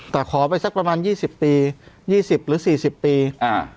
แต่ขอไปสักประมาณยี่สิบปียี่สิบหรือสี่สิบปีอ่า